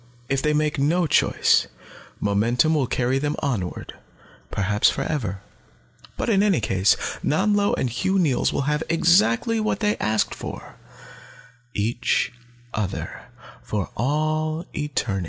If they make no choice, momentum will carry them onward, perhaps forever. "But in any case, Nanlo and Hugh Neils will have exactly what they have asked for each other, for all eternity.